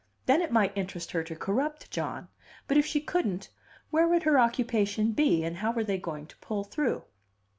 Then it might interest her to corrupt John; but if she couldn't, where would her occupation be, and how were they going to pull through?